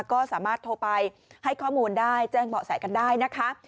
ก็สามารถโทรไปให้ข้อมูลได้แจ้งเบาะแสกันได้นะคะ